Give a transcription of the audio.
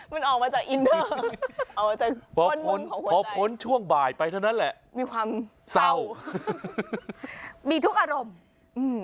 มันออกมาจากอินเดอร์พอพ้นช่วงบ่ายไปเท่านั้นแหละมีความเศร้ามีทุกอารมณ์อืม